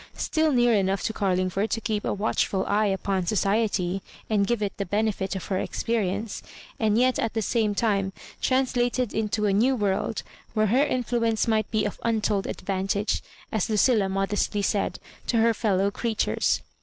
Still near enough to Oarling ford to keep a watchful eye upon society and give it the benefit of her experience, and yet at the same time translated into a new world, where her influence might be of untold advan tage, as Lucilla modestly said, to her fellow creatures.